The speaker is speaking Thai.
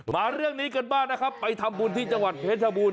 มาเรื่องนี้กันบ้างนะครับไปทำบุญที่จังหวัดเพชรบูรณ